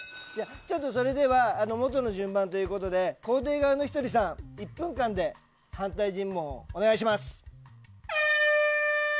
ちょっとそれでは元の順番ということで肯定側のひとりさん１分間で、反対尋問お願いします。